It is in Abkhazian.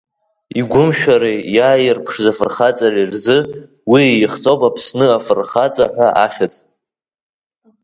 Игәымшәареи иааирԥшыз афырхаҵареи рзы, уи ихҵоуп Аԥсны афырхаҵа ҳәа ахьыӡ.